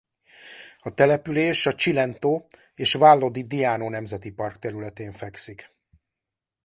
A település a Cilento és Vallo di Diano Nemzeti Park területén fekszik.